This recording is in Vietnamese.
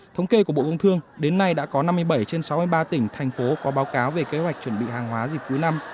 thống kê của bộ công thương đến nay đã có năm mươi bảy trên sáu mươi ba tỉnh thành phố có báo cáo về kế hoạch chuẩn bị hàng hóa dịp cuối năm